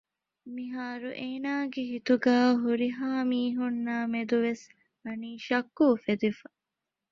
މިހާރު އޭނާގެ ހިތުގައި ހުރިހާ މީހުންނާމެދުވެސް ވަނީ ޝައްކު އުފެދިފަ